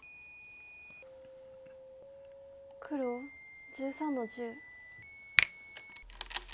黒１３の十。